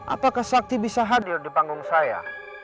apakah sakti bisa hadir di panggung saya